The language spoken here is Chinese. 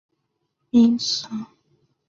旧热带界是生物地理学的一个名词。